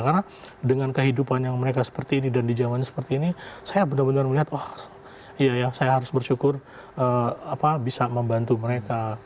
karena dengan kehidupan yang mereka seperti ini dan di zaman seperti ini saya benar benar melihat wah iya ya saya harus bersyukur bisa membantu mereka